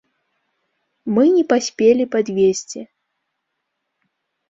Мы не паспелі падвезці.